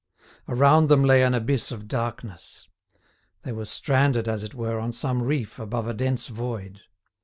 Around them lay an abyss of darkness. They were stranded, as it were, on some reef above a dense void.